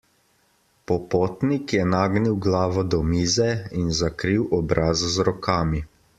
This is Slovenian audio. Popotnik je nagnil glavo do mize in zakril obraz z rokami.